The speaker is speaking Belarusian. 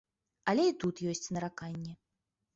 Але і тут ёсць нараканні.